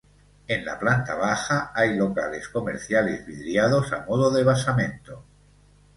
En la planta baja hay locales comerciales vidriados a modo de basamento.